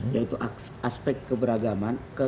yaitu aspek keberagaman